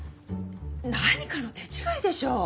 何かの手違いでしょう。